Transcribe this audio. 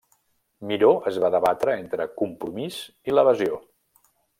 Miró es va debatre entre compromís i l'evasió.